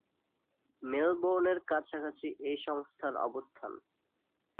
মেলবোর্নের কাছাকাছি এ সংস্থার অবস্থান।